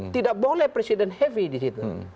tidak boleh presiden heavy disitu